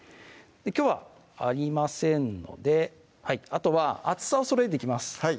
きょうはありませんのであとは厚さをそろえていきます